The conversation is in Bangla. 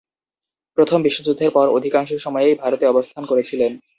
প্রথম বিশ্বযুদ্ধের পর অধিকাংশ সময়েই ভারতে অবস্থান করেছিলেন।